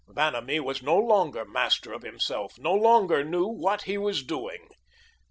Vanamee was no longer master of himself no longer knew what he was doing.